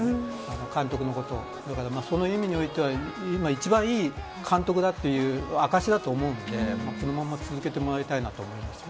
その意味においては一番いい監督だという証しだと思うのでこのまま続けてもらいたいと思いますね。